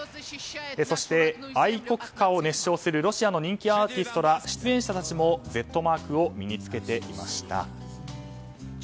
そして愛国歌を熱唱するロシアの人気アーティストら出演者たちもＺマークを身に着けていました。